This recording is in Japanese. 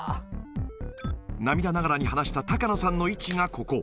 涙ながらに話した高野さんの位置がここ。